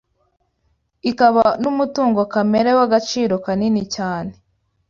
ikaba n’umutungo kamere w’agaciro kanini cyane.